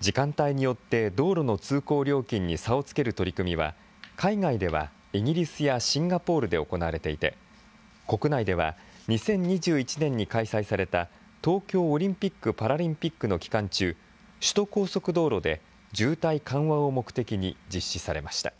時間帯によって道路の通行料金に差をつける取り組みは、海外ではイギリスやシンガポールで行われていて、国内では２０２１年に開催された、東京オリンピック・パラリンピックの期間中、首都高速道路で渋滞緩和を目的に実施されました。